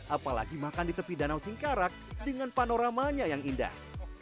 apalagi makan di tepi danau singkarak dengan panoramanya yang indah